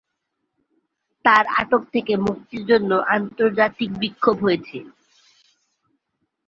তার আটক থেকে মুক্তির জন্য আন্তর্জাতিক বিক্ষোভ হয়েছে।